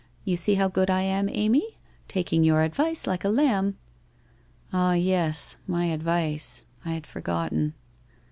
You see how good I am. Amy. Taking your advice like a lamb! ' 'Ah, yes, my advice] I had forgotten.